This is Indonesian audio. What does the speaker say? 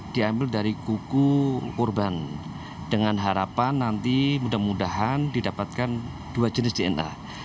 diambil dari kuku korban dengan harapan nanti mudah mudahan didapatkan dua jenis dna